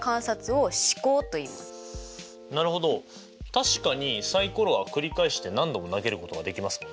確かにサイコロはくり返して何度も投げることができますもんね。